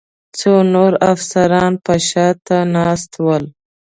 څو نور افسران به شا ته ناست ول.